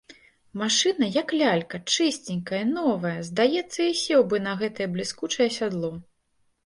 Машына, як лялька, чысценькая, новая, здаецца, і сеў бы на гэтае бліскучае сядло.